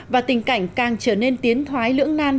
và tình cảnh càng trở nên tiến thoái lưỡng nan